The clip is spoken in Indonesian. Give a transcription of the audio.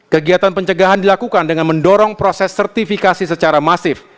kegiatan pencegahan dilakukan dengan mendorong proses sertifikasi secara masif